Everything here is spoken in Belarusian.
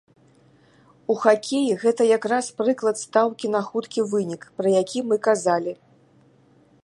У хакеі гэта як раз прыклад стаўкі на хуткі вынік, пра які мы казалі.